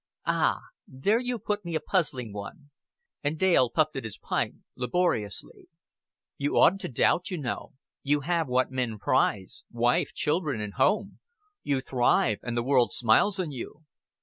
"Ah, there you put me a puzzling one;" and Dale puffed at his pipe laboriously. "You oughtn't to doubt, you know. You have what men prize wife, children, and home. You thrive, and the world smiles on you."